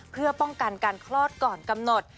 เพื่อป้องกันการคลอดก่อนกำหนด